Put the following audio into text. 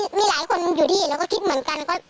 ก็มีหลายคนอยู่ดีแล้วก็คิดเหมือนกันก็เยอะอยู่